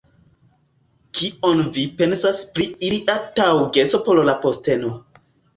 Kion vi pensas pri ilia taŭgeco por la posteno?